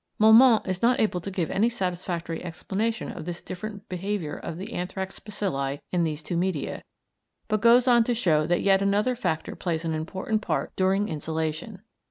Momont is not able to give any satisfactory explanation of this different behaviour of the anthrax bacilli in these two media, but goes on to show that yet another factor plays an important part during insolation.